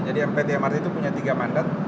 jadi mpt mrt itu punya tiga mandat